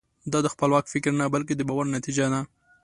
دا د خپلواک فکر نه بلکې د باور نتیجه ده.